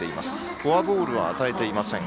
フォアボールは与えていません。